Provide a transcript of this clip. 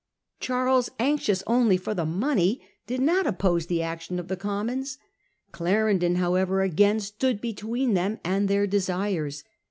Charles, anxious only for the money, did not oppose the action of the Commons. Clarendon however again stood between them and their desires.